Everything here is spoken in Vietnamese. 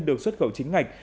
được xuất khẩu chính ngạch